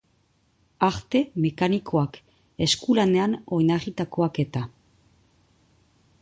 Arte mekanikoak, eskulanean oinarritakoak eta.